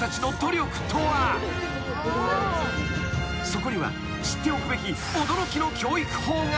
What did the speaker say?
［そこには知っておくべき］